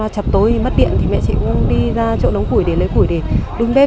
chập tối thì mất điện mẹ chị cũng đi ra chỗ đóng củi để lấy củi để đun bếp